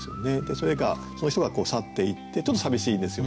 それがその人が去っていってちょっと寂しいんですよね。